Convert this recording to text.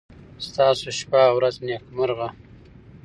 ستاسو شپه او ورځ نېکمرغه.